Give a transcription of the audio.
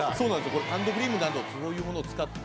これハンドクリームなどそういうものを使って。